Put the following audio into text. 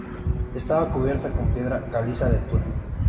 Estaba cubierta con piedra caliza de Tura.